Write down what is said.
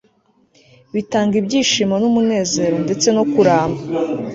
bitanga ibyishimo n'umunezero, ndetse no kuramba